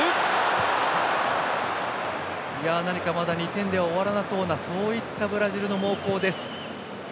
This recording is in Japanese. まだ２点では終わらなさそうなそういったブラジルの猛攻です。